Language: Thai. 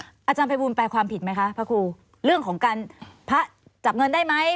อาจารย์ภัยบูลแปลความผิดไหมคะพระครูเรื่องของการพระจับเงินได้ไหม